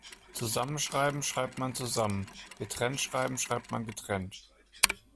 Zusammenschreiben schreibt man zusammen, getrennt schreiben schreibt man getrennt.